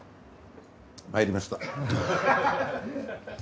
参りました。